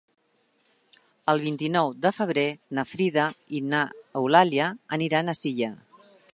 El vint-i-nou de febrer na Frida i n'Eulàlia aniran a Silla.